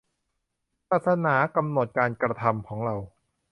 ศาสนากำหนดการกระทำของเรา